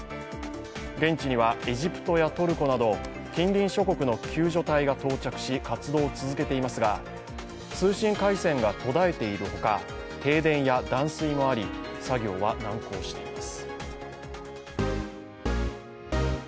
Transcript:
現地にはエジプトやトルコなど近隣諸国の救助隊が到着し活動を続けていますが、通信回線が途絶えているほか停電や断水もあり、作業は難航しています。